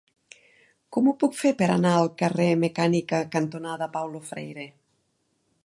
Com ho puc fer per anar al carrer Mecànica cantonada Paulo Freire?